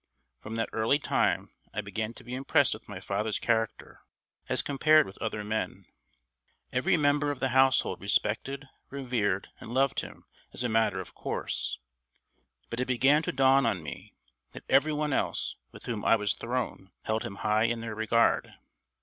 From that early time I began to be impressed with my father's character, as compared with other men. Every member of the household respected, revered, and loved him as a matter of course, but it began to dawn on me that every one else with whom I was thrown held him high in their regard.